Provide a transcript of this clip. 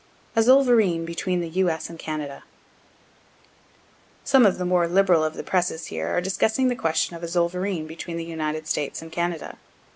A ZOLLVEREIN BETWEEN THE U.S. AND CANADA Some of the more liberal of the presses here are discussing the question of a zollverein between the United States and Canada.